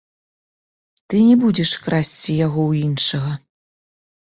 Ты не будзеш красці яго ў іншага.